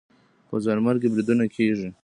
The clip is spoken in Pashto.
خو ځانمرګي بریدونه کېږي